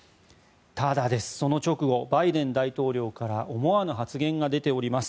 ただ、その直後バイデン大統領から思わぬ発言が出ております。